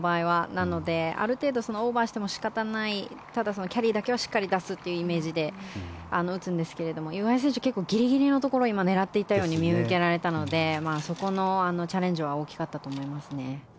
なのである程度オーバーしても仕方ないただ、キャリーだけはしっかり出すというイメージで打つんですけども岩井選手は結構ギリギリのところを狙っていったように見受けられたのでそこのチャレンジは大きかったと思いますね。